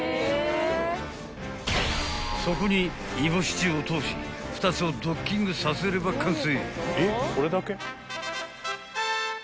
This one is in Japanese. ［そこにイボ支柱を通し２つをドッキングさせれば完成］